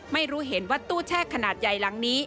ไม่รู้เห็นว่าตู้แช่ขนาดใหญ่หลังนี้